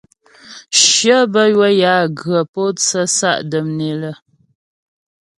Shyə bə́ ywə̌ yə á ghə pǒtsə sa' dəm né lə.